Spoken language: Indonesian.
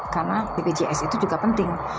karena bpjs itu juga penting